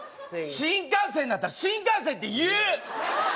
新幹線だったら「新幹線」って言う！